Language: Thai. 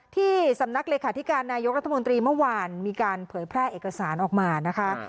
ที่สำนักเลขาธิการนายกรัฐมนตรีเมื่อวานมีการเผยแพร่เอกสารออกมานะคะ